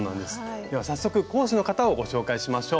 では早速講師の方をご紹介しましょう。